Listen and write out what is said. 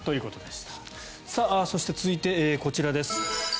そして、続いてこちらです。